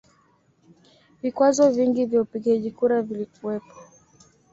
Vikwazo vingi vya upigaji kura vilikuwepo